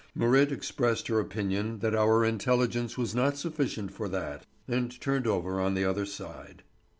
Marit expressed her opinion that our intelligence was not sufficient for that, and turned over on the other side.